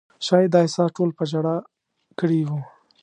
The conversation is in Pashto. شاید دا احساس ټول په ژړا کړي وو.